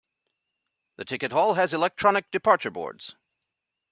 The ticket hall has electronic departure boards.